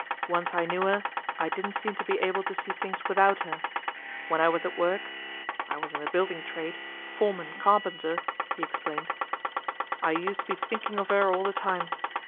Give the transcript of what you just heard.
I'nce I knew 'er, I didn't seem to be able to see 'lings without her. When I was at work I was ji the building trade, foreman carpenter," he tplained, " I used to be thinking of 'er all the me.